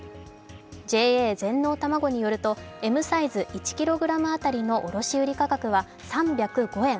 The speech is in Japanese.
ＪＡ全農たまごによるとＭサイズ１ｋｇ当たりの卸売価格は３０５円。